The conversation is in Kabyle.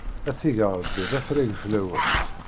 A t-ig Ṛebbi d afrag fell-awen!